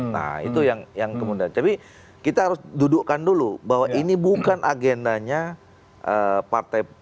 nah itu yang yang kemudian tapi kita harus dudukkan dulu bahwa ini memiliki tindakan agar kita bisa memiliki kembali ke perusahaan lainnya